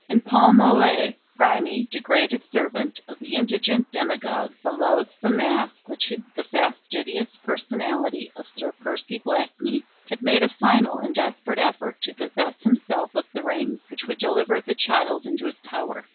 And Paul Mole, the grimy, degraded servant of the indigent demagogue, the loathsome mask which hid the fastidious personality of Sir Percy Blakeney, had made a final and desperate effort to possess himself of the ring which would deliver the child into his power.